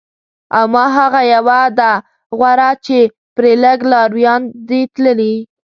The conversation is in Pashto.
او ما هغه یوه ده غوره چې پرې لږ لارویان دي تللي